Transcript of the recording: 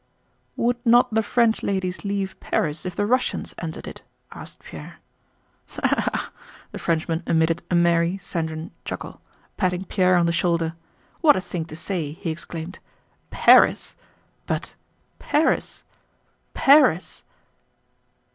"Would not the French ladies leave Paris if the Russians entered it?" asked Pierre. "Ha, ha, ha!" The Frenchman emitted a merry, sanguine chuckle, patting Pierre on the shoulder. "What a thing to say!" he exclaimed. "Paris?... But Paris, Paris..."